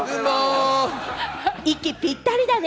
息ぴったりだね！